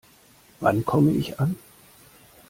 Wann komme ich an?